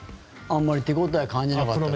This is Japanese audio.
あんまり手応え感じてなかった。